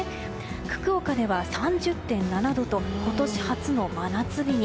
福岡では３０．７度と今年初の真夏日に。